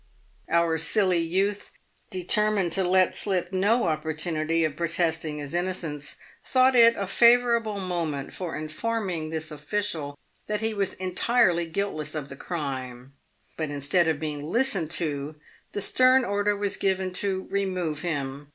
Our silly youth, determined to let slip no opportunity of protesting his in nocence, thought it a favourable moment for informing this official that he was entirely guiltless of the crime ; but instead of being lis tened to, the stern order was given to " remove him."